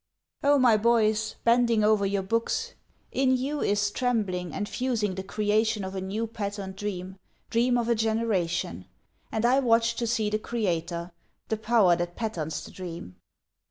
Oh my boys, bending over your books, In you is trembling and fusing The creation of a new patterned dream, dream of a generation: And I watch to see the Creator, the power that patterns the dream.